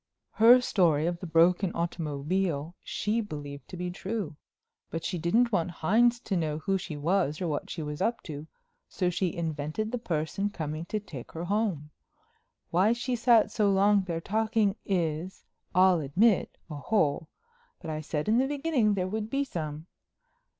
"Her story of the broken automobile she believed to be true. But she didn't want Hines to know who she was or what she was up to, so she invented the person coming to take her home. Why she sat so long there talking is—I'll admit—a hole, but I said in the beginning there would be some.